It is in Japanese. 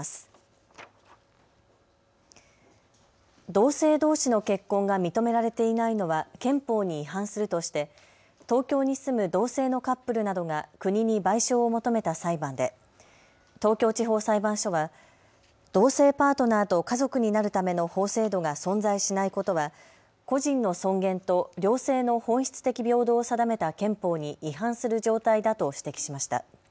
同性どうしの結婚が認められていないのは憲法に違反するとして東京に住む同性のカップルなどが国に賠償を求めた裁判で東京地方裁判所は同性パートナーと家族になるための法制度が存在しないことは個人の尊厳と両性の本質的平等を定めた憲法に違反する状態だと指摘しました。